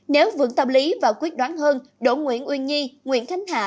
nếu vững tâm lý và quyết đoán hơn đỗ nguyễn uyên nhi nguyễn khánh hà